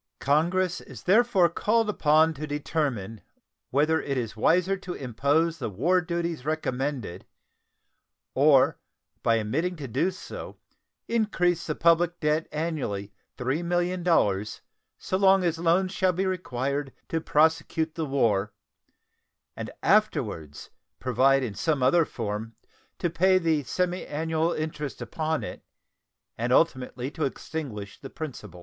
Congress is therefore called upon to determine whether it is wiser to impose the war duties recommended or by omitting to do so increase the public debt annually $3,000,000 so long as loans shall be required to prosecute the war, and afterwards provide in some other form to pay the semiannual interest upon it, and ultimately to extinguish the principal.